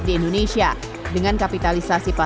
dengan pengembangan indonesia